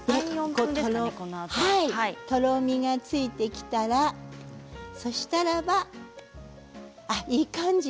とろみがついてきたらそうしたらば、いい感じ。